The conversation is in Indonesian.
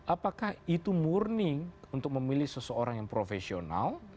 apakah itu murni untuk memilih seseorang yang profesional